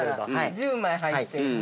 ◆１０枚入っていて。